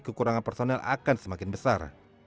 kekurangan personel akan semakin besar